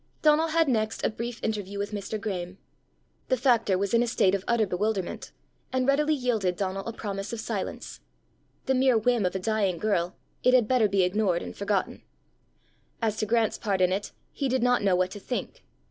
Donal had next a brief interview with Mr. Graeme. The factor was in a state of utter bewilderment, and readily yielded Donal a promise of silence: the mere whim of a dying girl, it had better be ignored and forgotten! As to Grant's part in it he did not know what to think.